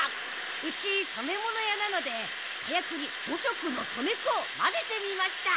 うち染め物屋なので火薬に５色の染め粉をまぜてみました。